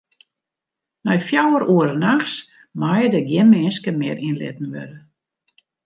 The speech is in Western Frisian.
Nei fjouwer oere nachts meie der gjin minsken mear yn litten wurde.